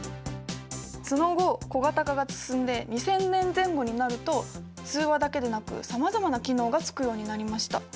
その後小型化が進んで２０００年前後になると通話だけでなくさまざまな機能がつくようになりました。